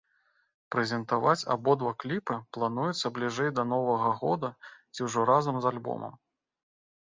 Прэзентаваць абодва кліпы плануецца бліжэй да новага года ці ўжо разам з альбомам.